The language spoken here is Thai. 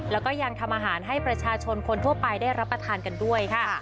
แล้วก็ยังทำอาหารให้ประชาชนคนทั่วไปได้รับประทานกันด้วยค่ะ